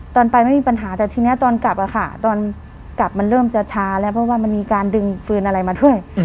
ตอนไปไม่มีปัญหาแต่ทีนี้ตอนกลับอะค่ะตอนกลับมันเริ่มจะช้าแล้วเพราะว่ามันมีการดึงฟืนอะไรมาด้วย